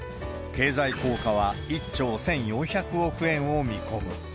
経済効果は１兆１４００億円を見込む。